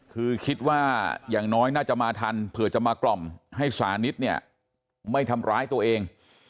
คือคิดว่าอย่างน้อยน่าจะมาทันเผื่อจะมากล่อมให้สานิทเนี่ยไม่ทำร้ายตัวเอง